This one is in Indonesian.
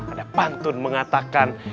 ada pantun mengatakan